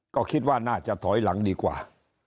ก็คิดว่าน่าจะถอยหลังดีกว่า